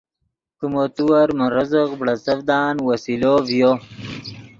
کہ مو تیور من رزق بڑیڅڤدان وسیلو ڤیو